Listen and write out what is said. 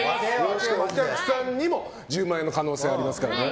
お客さんにも１０万円の可能性ありますからね。